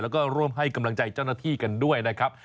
แล้วก็ร่วมให้กำลังใจเจ้าหน้าที่กันด้วยนะครับ